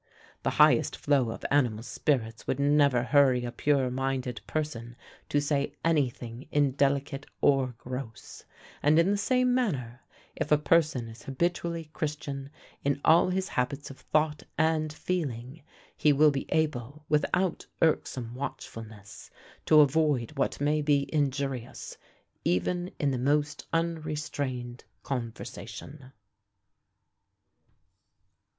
The highest flow of animal spirits would never hurry a pure minded person to say any thing indelicate or gross; and in the same manner, if a person is habitually Christian in all his habits of thought and feeling, he will be able without irksome watchfulness to avoid what may be injurious even in the most unrestrained conversation."